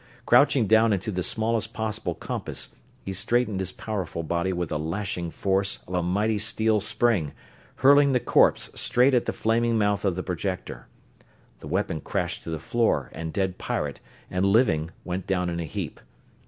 Crouching down into the smallest possible compass, he straightened his powerful body with the lashing force of a mighty steel spring, hurling the corpse straight at the flaming mouth of the projector. The weapon crashed to the floor and dead pirate and living went down in a heap.